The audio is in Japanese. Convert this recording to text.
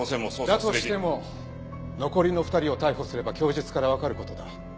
だとしても残りの２人を逮捕すれば供述からわかる事だ。